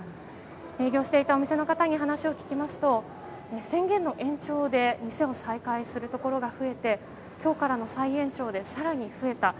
営業していたお店の方に話を聞きますと宣言の延長で店を再開するところが増えて今日からの再延長で更に増えた。